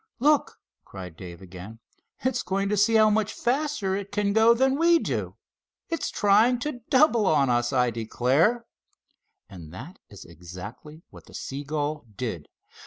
"Look!" cried Dave again. "It's going to see how much faster it can go than we do. It's trying to double on us, I declare!" And that is exactly what the seagull did.